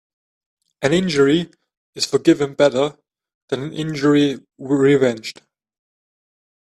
An injury is forgiven better than an injury revenged.